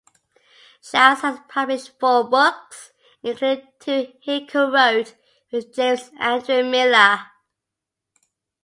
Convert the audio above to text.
Shales has published four books, including two he co-wrote with James Andrew Miller.